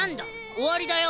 終わりだよ。